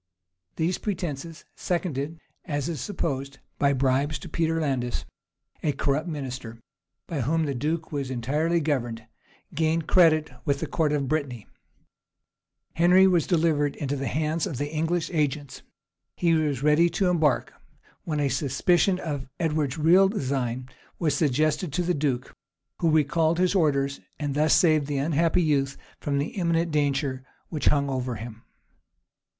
These pretences, seconded, as is supposed, by bribes to Peter Landais, a corrupt minister, by whom the duke was entirely governed, gained credit with the court of Brittany: Henry was delivered into the hands of the English agents, he was ready to embark; when a suspicion of Edward's real design was suggested to the duke, who recalled his orders, and thus saved the unhappy youth from the imminent danger which hung over him.